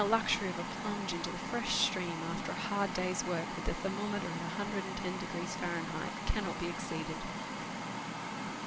245 luxury of a plunge into the fresh stream after a hard day's work, with the thermometer at 110 Fahrenheit, cannot be exceeded.